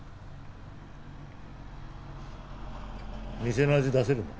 店の味出せるんだな。